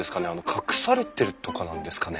隠されてるとかなんですかね？